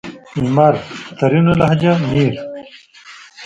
لمر؛ ترينو لهجه مير